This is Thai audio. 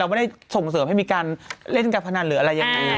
เราไม่ได้ส่งเสริมให้มีการเล่นกับพนันหรืออะไรอย่างนี้